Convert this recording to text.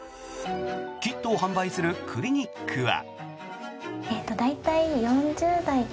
キットを販売するクリニックは。